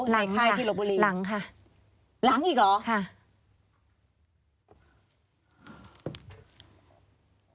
หลังค่ะหลังค่ะหลังอีกเหรอค่ะในค่ายที่ลบบุรี